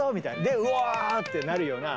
で「うわ！」ってなるような。